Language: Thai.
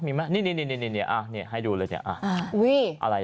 มีมั้ยนี่นี่นี่นี่นี่นี่อ่านี่ให้ดูเลยเนี้ยอ่าอุ้ยอะไร